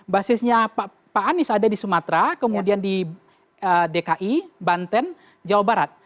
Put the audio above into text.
basisnya pak anies ada di sumatera kemudian di dki banten jawa barat